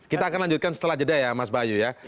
kita akan lanjutkan setelah jeda ya mas bayu ya